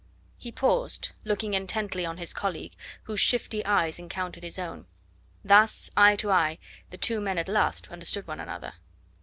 He paused, looking intently on his colleague, whose shifty eyes encountered his own. Thus eye to eye the two men at last understood one another.